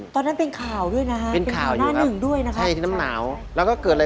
ตอนนั้นเป็นข่าวด้วยนะคะ